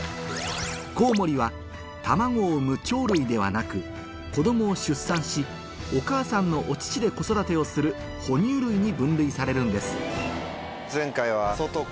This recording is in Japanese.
コウモリは卵を産む鳥類ではなく子供を出産しお母さんのお乳で子育てをするほ乳類に分類されるんです前回は。